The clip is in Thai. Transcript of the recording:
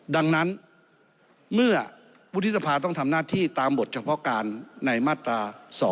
ดังนั้นเมื่อวุฒิสภาต้องทำหน้าที่ตามบทเฉพาะการในมาตรา๒๕๖